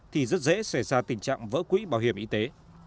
thì rất dễ xảy ra tình trạng vỡ quỹ bảo hiểm y tế